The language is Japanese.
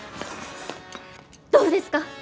どうですか？